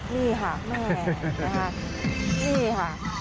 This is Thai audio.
นี่ค่ะแม่นะครับ